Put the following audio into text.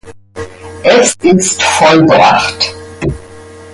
Es ist vollbracht!